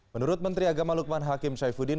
menurut menteri agama lukman hakim saifuddin